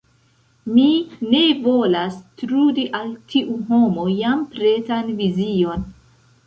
Mi ne volas trudi al tiu homo jam pretan vizion.